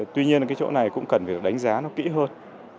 tuy nhiên cái chỗ này cũng cần phải đánh giá nó kỹ hơn